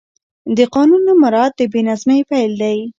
د قانون نه مراعت د بې نظمۍ پیل دی